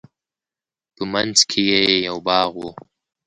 په منځ کښې يې يو باغ و.